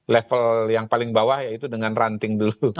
level yang paling bawah yaitu dengan ranting dulu